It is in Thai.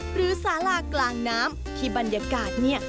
สาลากลางน้ำที่บรรยากาศเนี่ย